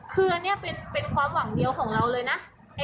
คืออันนี้เป็นความหวังเดียวของเราเลยนะ